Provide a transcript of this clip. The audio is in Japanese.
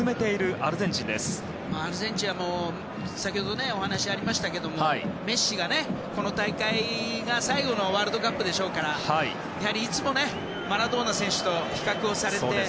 アルゼンチンは先ほどお話がありましたけどメッシがこの大会が、最後のワールドカップでしょうからやはり、いつもマラドーナ選手と比較をされて。